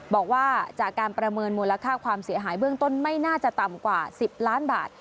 บอกว่าจากการประเมินมูลค่าความเสียหายเบื้องต้นไม่น่าจะต่ำกว่า๑๐ล้านบาท